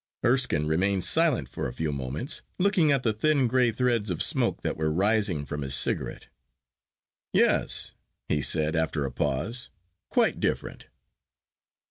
Erskine remained silent for a few moments, looking at the thin grey threads of smoke that were rising from his cigarette. 'Yes,' he said, after a pause, 'quite different.